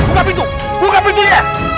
buka pintu buka pintunya